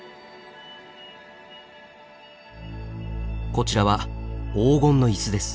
こちらは黄金の椅子です。